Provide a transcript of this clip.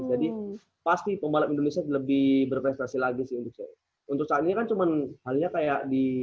jadi pasti pembalap indonesia lebih berprestasi lagi sih untuk saat ini kan cuman halnya kayak di